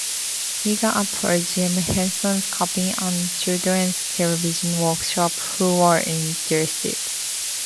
Egan approached Jim Henson's company and Children's Television Workshop, who were interested.